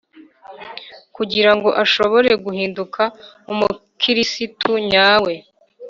kugira ngo ashobore guhinduka. umukirisitu nyawe